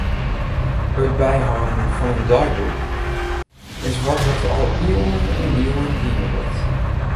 It byhâlden fan in deiboek is wat dat al iuwen en iuwen dien wurdt.